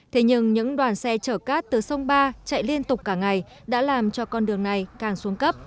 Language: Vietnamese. thế nhưng những đoàn xe chở cát từ sông ba chạy liên tục cả ngày đã làm cho con đường này càng xuống cấp